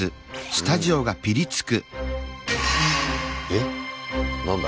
えっ何だ